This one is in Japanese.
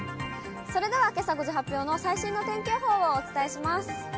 それではけさ５時発表の最新の天気予報をお伝えします。